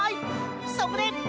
そこで。